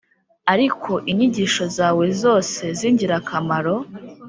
ariko inyigisho zawe zose zingirakamaro